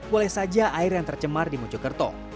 boleh saja air yang tercemar dimuncul kertok